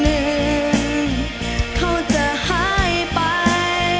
และวันหนึ่งเขาจะหายไป